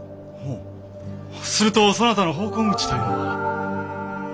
するとそなたの奉公口というのは。